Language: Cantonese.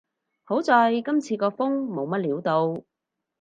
好在今次個風冇乜料到